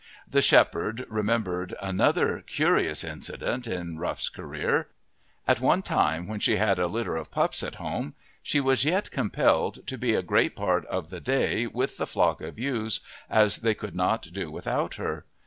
The shepherd remembered another curious incident in Rough's career. At one time when she had a litter of pups at home she was yet compelled to be a great part of the day with the flock of ewes as they could not do without her.